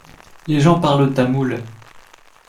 Les gens parlent tamoul.